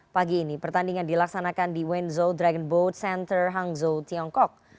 pagi ini pertandingan dilaksanakan di wenzo dragon boat center hangzhou tiongkok